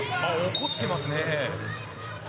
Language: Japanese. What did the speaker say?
怒ってますね。